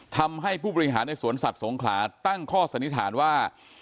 ทำให้ผู้บริหารในสวนสัตว์สงขลาตั้งข้อสันนิษฐานว่า